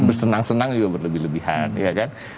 bersenang senang juga berlebihan